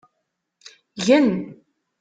Gen!